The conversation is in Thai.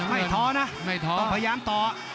ไม่ท้อนะต้องพยายามต่อ